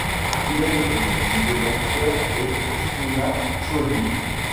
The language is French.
Il est le petit-fils des acteurs et Christina Schollin.